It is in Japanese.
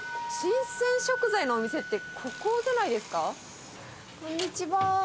新鮮食材のお店ってここじゃないですか。